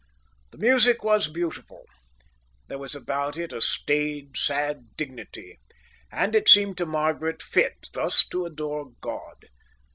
The music was beautiful. There was about it a staid, sad dignity; and it seemed to Margaret fit thus to adore God.